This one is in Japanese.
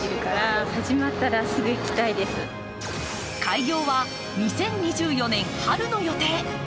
開業は２０２４年春の予定。